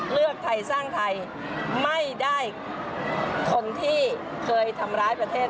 เลือกไทยสร้างไทยไม่ได้คนที่เคยทำร้ายประเทศ